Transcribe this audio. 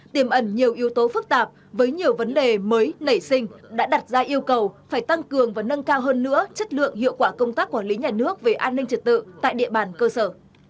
tiềm ẩn nhiều yếu tố phức tạp với nhiều vấn đề mới nảy sinh đã đặt ra yêu cầu phải tăng cường và nâng cao hơn nữa chất lượng hiệu quả công tác quản lý nhà nước về an ninh trật tự tại địa bàn cơ sở